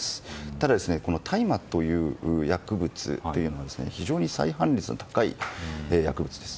ただ、大麻という薬物は非常に再犯率の高い薬物です。